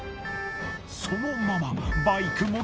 そのままバイク